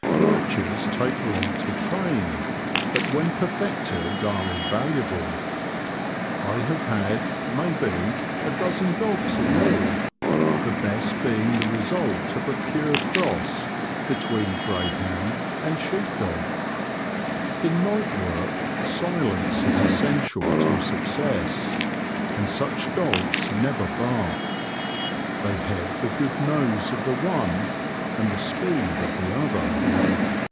Lurchers take long to train, but when perfected are invaluable. I have had, maybe, a dozen dogs in all, the best being the result of a pure cross between greyhound and sheepdog. In night work silence is essen tial to success, and such dogs never bark ; they have the good nose of the one, and the speed of the other.